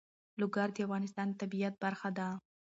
لوگر د افغانستان د طبیعت برخه ده.